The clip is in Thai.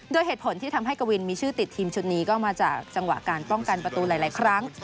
โดยเหตุผลที่ทำให้กวินมีชื่อติดทีมชุดนี้ก็มาจากจังหวะการป้องกันประตูหลายครั้ง